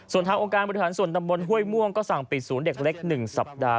ส่วนทางองค์การบริหารส่วนตำบลห้วยม่วงก็สั่งปิดศูนย์เด็กเล็ก๑สัปดาห์